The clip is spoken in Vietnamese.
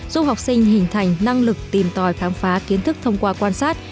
giúp học sinh hình thành năng lực tìm tòi khám phá kiến thức thông qua quan sát